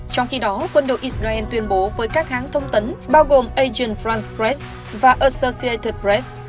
trong khi đó quân đội israel tuyên bố với các hãng thông tấn bao gồm asian france press và associated press